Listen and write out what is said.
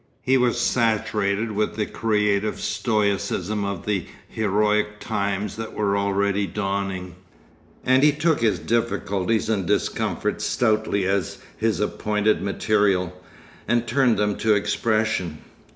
He was saturated with the creative stoicism of the heroic times that were already dawning, and he took his difficulties and discomforts stoutly as his appointed material, and turned them to expression.